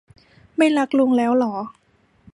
ไม่รักลุงแล้วหรอ